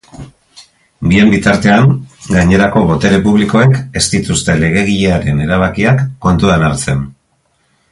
Bien bitartean, gainerako botere publikoek ez dituzte legegilearen erabakiak kontuan hartzen.